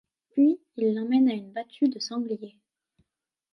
Puis il l'emmène à une battue de sanglier.